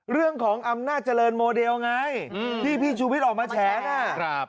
เรื่องของอำนาจเจริญโมเดลไงที่พี่ชูวิทย์ออกมาแฉนะ